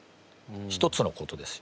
１つのことですよ。